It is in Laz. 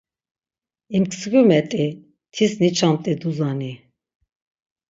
İmskvimet̆i tis niçamt̆i duzani.